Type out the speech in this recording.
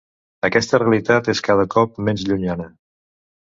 Aquesta realitat és cada cop menys llunyana.